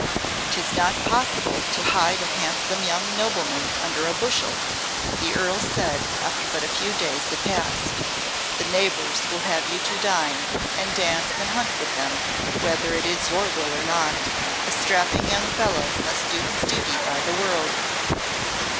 "'Tis not possible to hide a handsome young nobleman under a bushel," the Earl said after but a few days had passed. "The neighbours will have you to dine, and dance, and hunt with them, whether it is your will or not. A strapping young fellow must do his duty by the world."